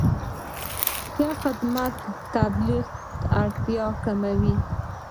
ښه خدمت د تبلیغ اړتیا کموي.